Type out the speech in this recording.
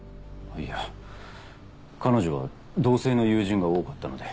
いや彼女は同性の友人が多かったので。